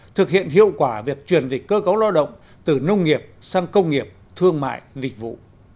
thực hiện hiệu quả việc truyền dịch cơ cấu lao động từ nông nghiệp sang công nghiệp thương mại dịch vụ